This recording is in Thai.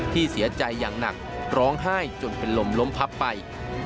เสียใจอย่างหนักร้องไห้จนเป็นลมล้มพับไป